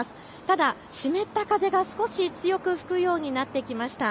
ただ湿った風が少し強く吹くようになってきました。